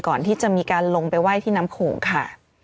ก่อนที่จะมีการลงไปไหว้ที่น้ำโขงค่ะ